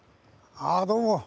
ああどうも。